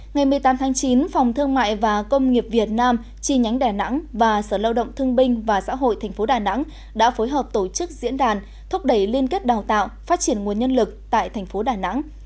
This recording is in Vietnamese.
ngày một mươi tám tháng chín phòng thương mại và công nghiệp việt nam chi nhánh đà nẵng và sở lao động thương binh và xã hội tp đà nẵng đã phối hợp tổ chức diễn đàn thúc đẩy liên kết đào tạo phát triển nguồn nhân lực tại thành phố đà nẵng